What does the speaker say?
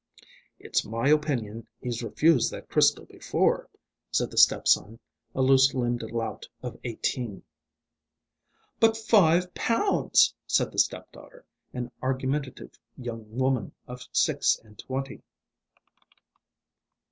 "It's my opinion he's refused that crystal before," said the step son, a loose limbed lout of eighteen. "But Five Pounds!" said the step daughter, an argumentative young woman of six and twenty.